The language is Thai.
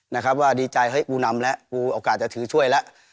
นะครับว่าดีใจจะนำแหละเอาโอกาสจะถือช่วยแล้ว